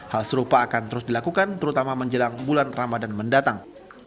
hal serupa akan terus dilakukan terutama menjelang bulan ramadan mendatang